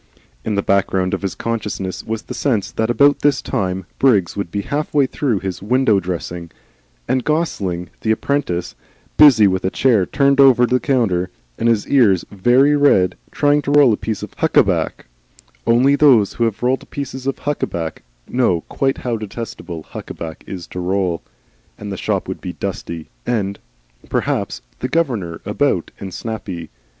In the background of his consciousness was the sense that about this time Briggs would be half way through his window dressing, and Gosling, the apprentice, busy, with a chair turned down over the counter and his ears very red, trying to roll a piece of huckaback only those who have rolled pieces of huckaback know quite how detestable huckaback is to roll and the shop would be dusty and, perhaps, the governor about and snappy.